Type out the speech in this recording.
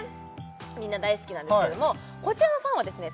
みんな大好きなんですけどもこちらのファンはですね